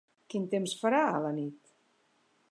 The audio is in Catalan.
Quin temps farà a la nit?